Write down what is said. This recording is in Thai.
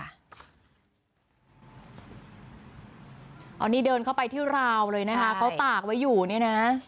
อันนี้เดินเข้าไปที่ราวเลยนะคะเขาตากไว้อยู่เนี่ยนะ